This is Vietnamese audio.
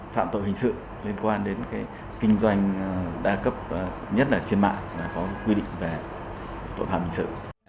phạm tội hình sự liên quan đến cái kinh doanh đa cấp nhất là trên mạng là có quy định về tội phạm hình sự